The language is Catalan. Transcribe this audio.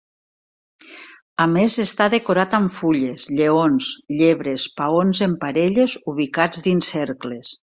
A més, està decorat amb fulles, lleons, llebres, paons en parelles ubicats dins cercles.